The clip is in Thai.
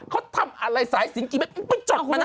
เขาทำอะไรสายสินกี่เมตรมันจดมานะ